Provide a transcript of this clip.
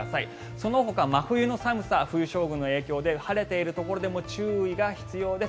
そのほか真冬の寒さ冬将軍の影響で晴れているところでも注意が必要です。